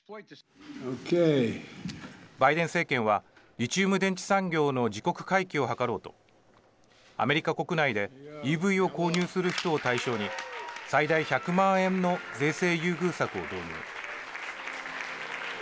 バイデン政権はリチウム電池産業の自国回帰を図ろうとアメリカ国内でＥＶを購入する人を対象に最大１００万円の税制優遇策を導入。